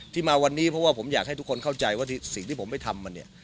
มาวันนี้เพราะว่าผมอยากให้ทุกคนเข้าใจว่าสิ่งที่ผมไปทำมันเนี่ย